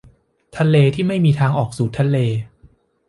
ทะเลที่ไม่มีทางออกสู่ทะเล